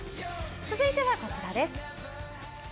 続いてはこちらです。